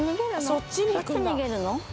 そっち逃げるの？